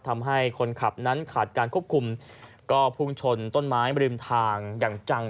ทำให้คนขับนั้นขาดการควบคุมก็พุ่งชนต้นไม้บริมทางอย่างจัง